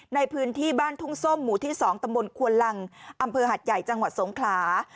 ในพื้นที่บ้านทุ่งส้มหมู่ที่๒ตำบลควนลังอำเภอหัดใหญ่จังหวัดสงขลา